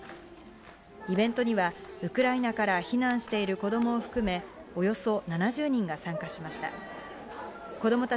イベントには、ウクライナから避難している子どもを含め、およそ７０人が参加しました。